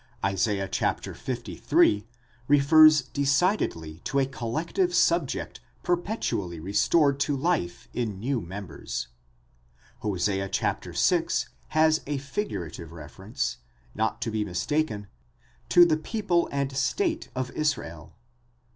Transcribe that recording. Isa. liii. refers decidedly to a collective subject perpetually restored to life in new members. Hosea vi. has a figurative reference, not to be mis taken, to the people and state of Israel.